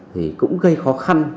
thì cũng gây khó khăn